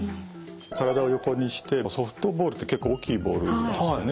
体を横にしてソフトボールって結構大きいボールですよね。